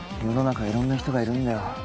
世の中いろんな人がいるんだよ。